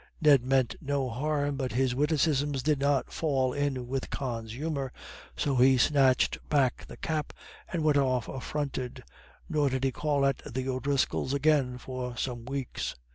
Ned meant no harm, but his witticisms did not fall in with Con's humour, so he snatched back the cap and went off affronted, nor did he call at the O'Driscolls' again for some weeks.